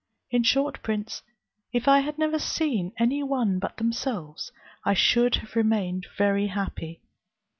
In short, prince, if I had never seen any one but themselves, I should have remained very happy.